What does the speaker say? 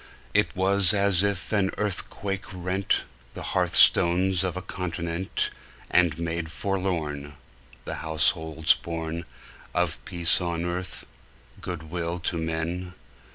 It was as if an earthquake rent The hearth stones of a continent, And made forlorn The households born Of peace on earth, good will to men!